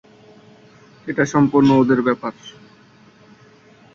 রাজস্থানে পুরুষেরা "কুর্তা" ও একটা পাগড়ি, এবং সঙ্গে একটা নকল ঘোড়ার পোশাক পরে প্রদর্শন করেন।